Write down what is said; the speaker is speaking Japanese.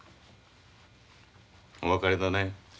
お別れだね。